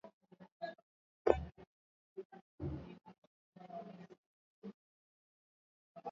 juu ya mada kuanzia ndoa za watu wa jinsia mmoja hadi kuwahukumu